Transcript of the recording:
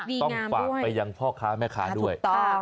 ต้องฝากไปยังพ่อค้าแม่ค้าด้วย